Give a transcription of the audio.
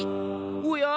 おや！